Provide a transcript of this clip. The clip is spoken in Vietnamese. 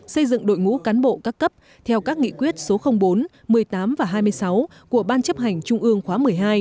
xây dựng đội ngũ cán bộ các cấp theo các nghị quyết số bốn một mươi tám và hai mươi sáu của ban chấp hành trung ương khóa một mươi hai